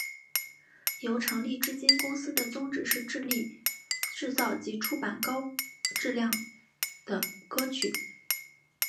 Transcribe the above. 由成立至今公司的宗旨是致力制作及出版高质素的歌曲。